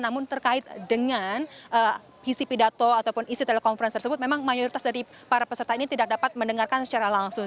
namun terkait dengan isi pidato ataupun isi telekonferensi tersebut memang mayoritas dari para peserta ini tidak dapat mendengarkan secara langsung